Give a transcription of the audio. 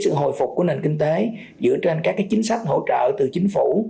sự hồi phục của nền kinh tế dựa trên các chính sách hỗ trợ từ chính phủ